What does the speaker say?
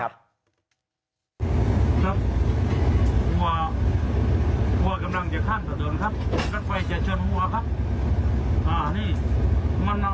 ครับวัววัวกำลังจะขั้นตะเติมครับ